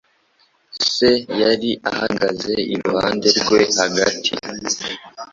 Se yari ahagaze iruhande rwe hagati.